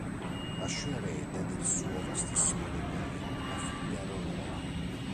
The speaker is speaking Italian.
Lasciò erede del suo vastissimo dominio la figlia Eleonora.